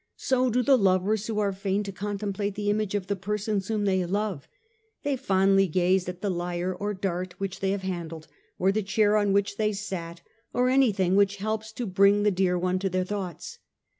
So do the lovers who are fain to contemplate the image of the persons whom they love; who fondly gaze at the lyre or dart which they have handled, or the chair on which they sat, or anything which helps to bring the dear one to their thoughts.